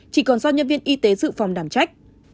chỉ còn do nhân viên y tế dự phòng đảm trách